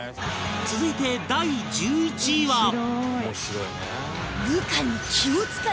続いて第１１位は